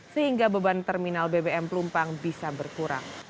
sehingga beban terminal bbm pelumpang bisa berkurang